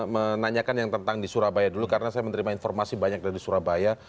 menanyakan yang tentang di surabaya dulu karena saya menerima informasi banyak dari surabaya